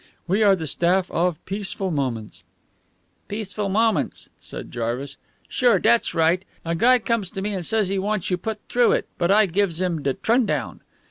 We are the staff of Peaceful Moments." "Peaceful Moments," said Mr. Jarvis. "Sure, dat's right. A guy comes to me and says he wants you put through it, but I gives him de trundown."